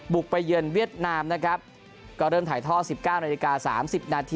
บุกไปเยือนเวียดนามนะครับก็เริ่มถ่ายท่อ๑๙น๓๐น